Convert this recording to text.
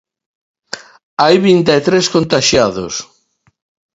Hai vinte e tres contaxiados.